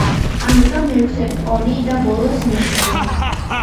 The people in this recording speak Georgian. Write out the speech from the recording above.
ამიტომ მეექვსე პონი და ბოლოს მეშვიდე.